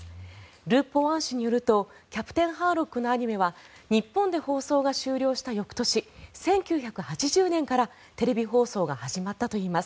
「ル・ポワン」誌によると「キャプテンハーロック」のアニメは日本で放送が終了した翌年１９８０年からテレビ放送が始まったといいます。